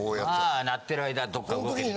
あ鳴ってる間どっか動けって。